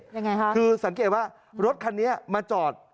ยังไงคะคือสังเกตว่ารถคันนี้มาจอด